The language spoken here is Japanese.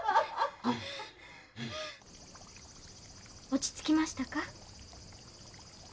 落ち着きましたか？